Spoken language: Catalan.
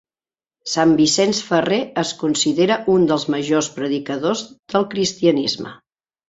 Sant Vicent Ferrer es considera un dels majors predicadors del cristianisme.